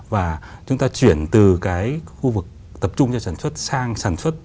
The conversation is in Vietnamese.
và chúng ta chuyển từ cái khu vực tập trung cho sản xuất sang sản xuất